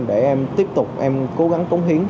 để em tiếp tục em cố gắng công hiến